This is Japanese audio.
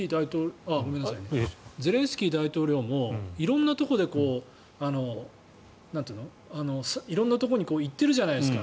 ゼレンスキー大統領も色んなところに行ってるじゃないですか。